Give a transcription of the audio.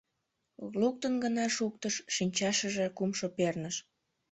Луктын гына шуктыш — шинчашыже кумшо перныш.